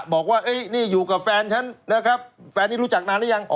บอกว่านี่อยู่กับแฟนฉันนะครับแฟนนี้รู้จักนานหรือยัง